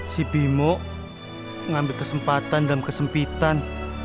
si bimo ngambil kesempatan dan kesempitan